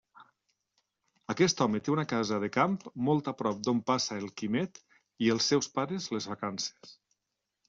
Aquest home té una casa de camp molt a prop d'on passa el Quimet i els seus pares les vacances.